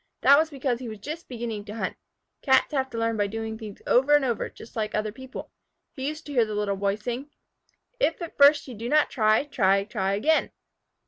That was because he was just beginning to hunt. Cats have to learn by doing things over and over, just like other people. He used to hear the Little Boy sing. If at first you do not try Try, try again.